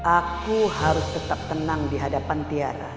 aku harus tetap tenang dihadapan tiara